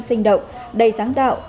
sinh động đầy sáng đạo